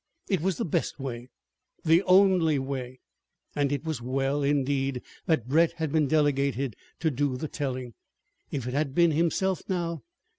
It was the best way; the only way. And it was well, indeed, that Brett had been delegated to do the telling. If it had been himself now